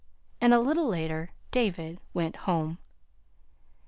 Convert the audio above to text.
And a little later David went home.